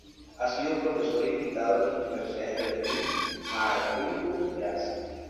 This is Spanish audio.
Ha sido profesor invitado en las universidades de Berlín, Marburgo y Graz.